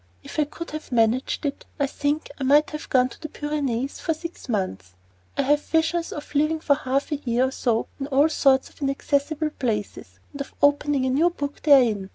If I could have managed it, I think I might have gone to the Pyrenees for six months. I have visions of living for half a year or so in all sorts of inaccessible places, and of opening a new book therein.